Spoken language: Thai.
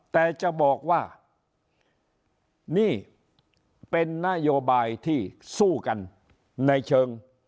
แต่จะบอกว่านี่เป็นนโยบายที่สู้กันในเชิง